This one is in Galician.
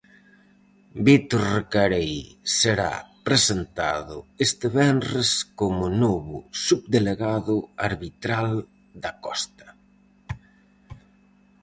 Vítor recarei será presentado este venres como novo subdelegado arbitral da Costa.